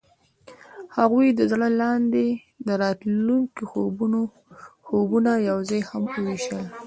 هغوی د زړه لاندې د راتلونکي خوبونه یوځای هم وویشل.